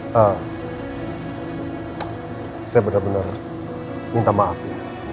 saya benar benar minta maaf ya